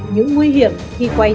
những nguy hiểm khi quay